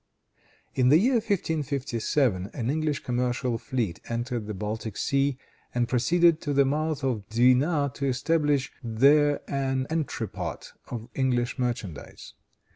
In the year 1557 an English commercial fleet entered the Baltic Sea and proceeded to the mouth of the Dwina to establish there an entrepot of English merchandise.